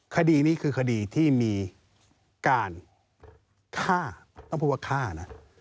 คดีนี้คือคดีที่มีการฆ่าต้องพูดว่าฆ่านะ